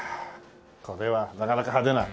これはなかなか派手な。